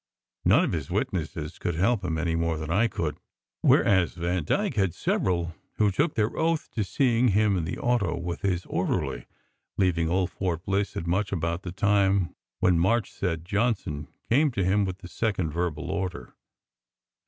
None of his witnesses could help him any more than I could, whereas Vandyke had several who took their oath to seeing him in the auto with his orderly, leaving old Fort Bliss at much about the time when March said Johnson came to him with the second verbal order.